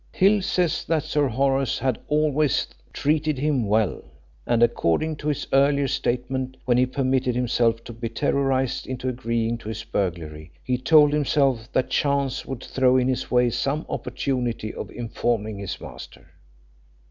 Hill says that Sir Horace had always treated him well; and according to his earlier statement, when he permitted himself to be terrorised into agreeing to this burglary, he told himself that chance would throw in his way some opportunity of informing his master.